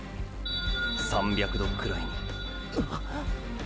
３００℃くらいに！！っ！！